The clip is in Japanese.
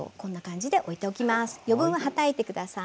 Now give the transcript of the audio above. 余分ははたいて下さい。